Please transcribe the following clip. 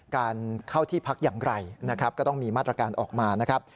การเข้าที่พักอย่างไรก็ต้องมีมาตรการออกมา